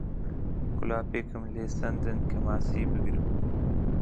قولاپێکم لێ ساندن کە ماسی بگرم